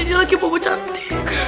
ini lagi bobo cantik